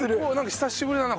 久しぶりだな